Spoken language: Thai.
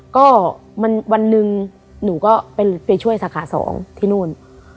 ก็วันหนึ่งหนูก็ไปช่วยสาขา๒ที่นู่น